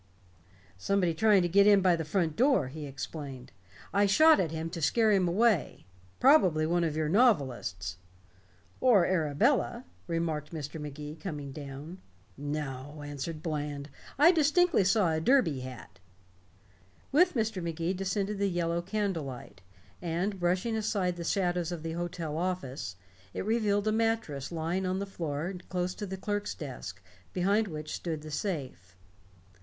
"Somebody trying to get in by the front door," he explained. "I shot at him to scare him away. Probably one of your novelists." "Or Arabella," remarked Mr. Magee, coming down. "No," answered Bland. "I distinctly saw a derby hat." With Mr. Magee descended the yellow candlelight, and brushing aside the shadows of the hotel office, it revealed a mattress lying on the floor close to the clerk's desk, behind which stood the safe.